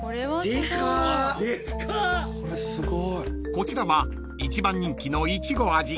［こちらは一番人気のいちご味］